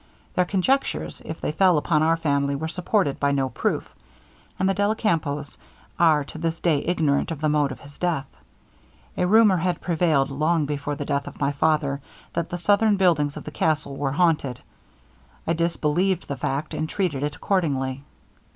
Their conjectures, if they fell upon our family, were supported by no proof; and the della Campos are to this day ignorant of the mode of his death. A rumour had prevailed long before the death of my father, that the southern buildings of the castle were haunted. I disbelieved the fact, and treated it accordingly.